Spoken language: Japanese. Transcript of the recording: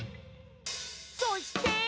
そして。